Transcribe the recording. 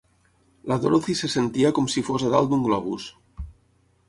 La Dorothy se sentia com si fos a dalt d'un globus.